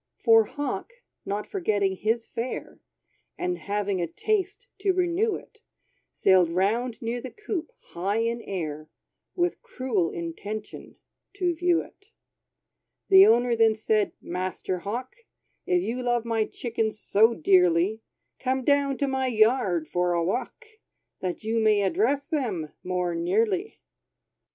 For Hawk, not forgetting his fare, And having a taste to renew it, Sailed round near the coop, high in air, With cruel intention, to view it. The owner then said, "Master Hawk, If you love my chickens so dearly, Come down to my yard for a walk, That you may address them more nearly."